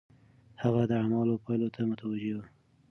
هغه د اعمالو پايلو ته متوجه و.